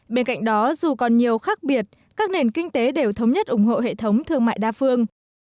bên cạnh đó dù còn nhiều khác biệt các nền kinh tế đều thống nhất ủng hộ hệ thống thương mại đa phương